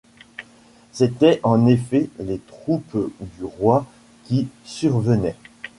C’étaient en effet les troupes du roi qui survenaient.